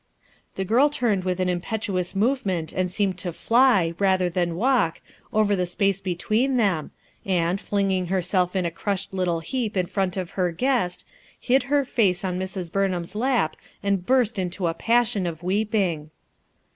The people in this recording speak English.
The girl turned with an impetuous movement and seemed to fly, rather than walk, over the space between them, and, flinging herself in a Iter "A STUDY" 271 crushed Utile heap in front of her guest Hd h face on Mrs. Bomham'a lap and burst i nl0 passion of weeping.